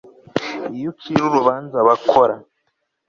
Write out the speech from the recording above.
iyo ucira urubanza abakora